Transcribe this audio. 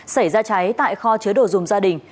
xảy ra cháy tại kho chứa đồ dùng gia đình